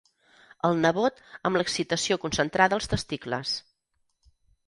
El nebot amb l'excitació concentrada als testicles.